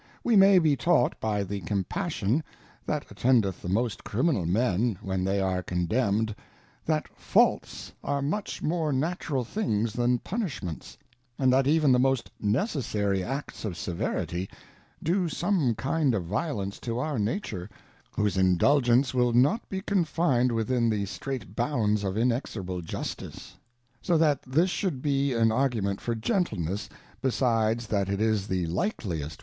We may be taught by the Compassion that attendeth the most Criminal Men when they are Condemned, that Faults are much more natural things than Punishments, and that even the most necessary acts of severity do some kind of violence to our Nature, whose Indulgence will not be confined within the strait bounds of inexorable Justice; so that this should be an Argu ment for gentleness, besi^fi&Jthat^, it isJiieJiJi£li£st.